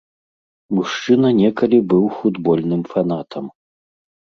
Мужчына некалі быў футбольным фанатам.